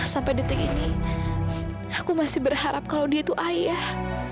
sampai detik ini aku masih berharap kalau dia itu ayah